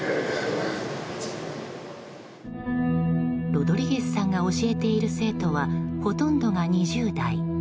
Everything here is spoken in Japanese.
ロドリゲスさんが教えている生徒は、ほとんどが２０代。